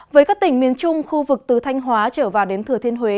với các tỉnh miền trung khu vực từ thanh hóa trở vào đến thừa thiên huế